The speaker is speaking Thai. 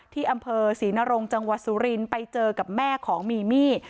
ที่อำเภอศรีนรงจังหวัดสุรินทร์ไปเจอกับแม่ของมีมี่